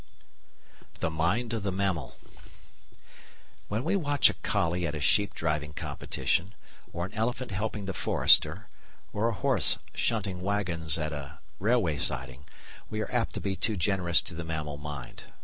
§ 6 The Mind of the Mammal When we watch a collie at a sheep driving competition, or an elephant helping the forester, or a horse shunting waggons at a railway siding, we are apt to be too generous to the mammal mind.